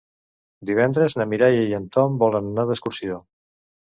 Divendres na Mireia i en Tom volen anar d'excursió.